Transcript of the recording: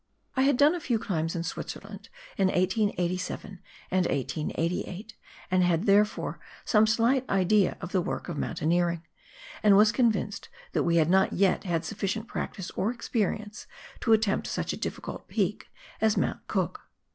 I had done a few cKmbs in Switzerland in 1887 and 1888, and had, therefore, some slight idea of the work of moun taineering, and was convinced that we had not yet had suflScient practice or experience to attempt such a difficult peak as Mount Cook.